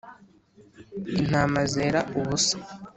intama zera ubusa